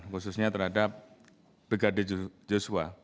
khususnya terhadap begade joshua